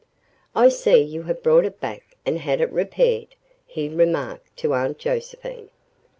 "I see you have brought it back and had it repaired," he remarked to Aunt Josephine.